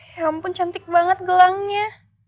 ya ampun cantik banget gelangnya